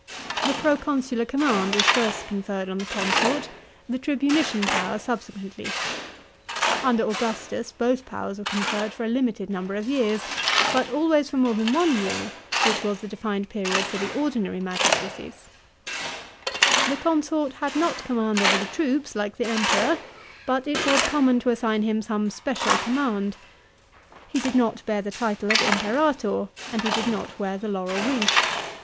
The proconsular command was first conferred on the consort, "he tribunician power subsequently. Under Augustus both powers * I* seems to have existed to the time of Nero 48 THE FAMILY OF AUGUSTUS. CHAP. IT. were conferred for a limited number of years, but always for more than one year, which was the defined period for the ordinary magistracies. The consort had not command over the troops, like the Emperor, but it was common to assign him some special command. He did not bear the title of Imperator, and he did not wear the laurel wreath.